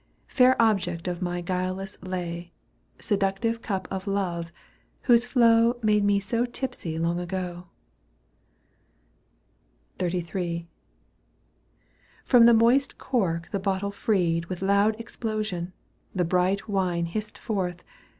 Fair object of my guileless lay. Seductive cup of love, whose flow Made me so tipsy long ago ! XXXIII. From the moist cork the bottle freed With loud explosion, the bright wine Hissed forth.